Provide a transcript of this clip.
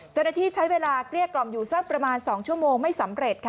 เจ้าหน้าที่ใช้เวลาเกลี้ยกล่อมอยู่สักประมาณ๒ชั่วโมงไม่สำเร็จค่ะ